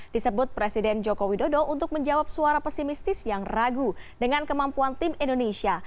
disebut presiden joko widodo untuk menjawab suara pesimistis yang ragu dengan kemampuan tim indonesia